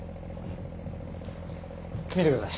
見てください。